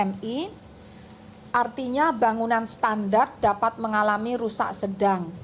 mengalami kerusakan dan bangunan tidak standar apalagi yang sudah dikuncang gempa gempa sebelumnya